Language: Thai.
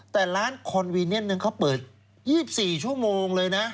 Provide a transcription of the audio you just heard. แต่ร้านคอนวีเนียนนึงเขาเปิด๒๔ชั่วโมงเลยนะ